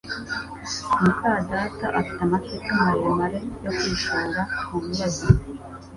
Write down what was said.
muka data afite amateka maremare yo kwishora mubibazo